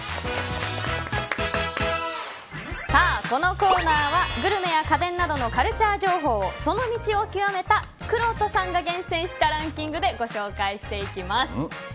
このコーナーはグルメや家電などのカルチャー情報をその道を極めたくろうとさんが厳選したランキングでご紹介していきます。